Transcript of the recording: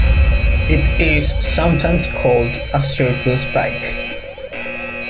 It is sometimes called a "circus bike".